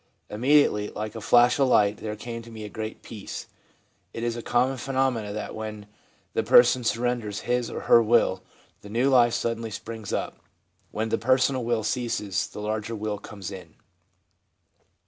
Im mediately, like a flash of light, there came to me a great peace/ It is a common phenomenon that when the person surrenders his or her will, the new life suddenly springs up. When the personal will ceases, the larger will comes in.